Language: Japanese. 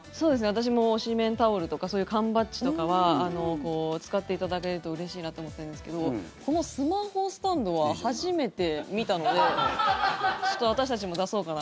私も推しメンタオルとかそういう缶バッチとかは使っていただけるとうれしいなと思っているんですけどこのスマホスタンドは初めて見たのでちょっと私たちも出そうかなって。